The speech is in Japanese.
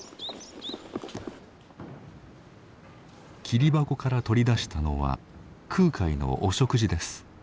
桐箱から取り出したのは空海のお食事です。